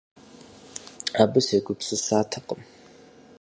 Абы сегупсысатэкъым.